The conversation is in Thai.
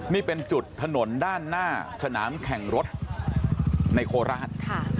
นี่เป็นจุดถนนด้านหน้าสนามแข่งรถในโคราช